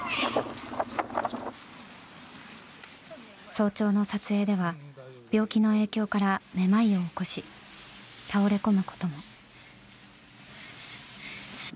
早朝の撮影では病気の影響からめまいを起こし倒れ込むことも。